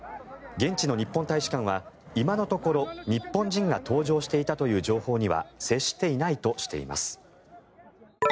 現地の日本大使館は今のところ、日本人が搭乗していたという情報には接していないとしています。